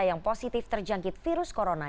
yang positif terjangkit virus corona